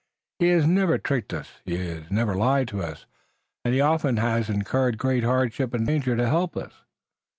He has never tricked us. He has never lied to us, and often he has incurred great hardship and danger to help us."